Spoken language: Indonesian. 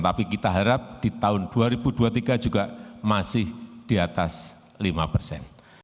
tapi kita harap di tahun dua ribu dua puluh tiga juga masih di atas lima persen